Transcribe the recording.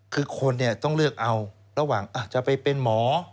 คือคนต้องเลือกเอาระหว่างอาจจะไปเป็นหมอ